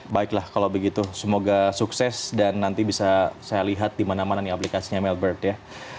baiklah kalau begitu semoga sukses dan nanti bisa saya lihat dimana mana aplikasinya mailbird ya